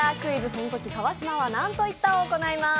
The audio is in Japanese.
そのとき川島はなんと言った！？」を行います。